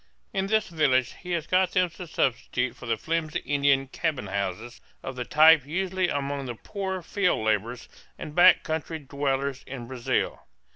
In this village he has got them to substitute for the flimsy Indian cabins houses of the type usual among the poorer field laborers and back country dwellers in Brazil.